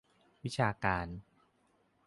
วิชาการ